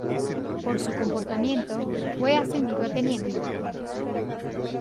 Por su comportamiento fue ascendido a teniente.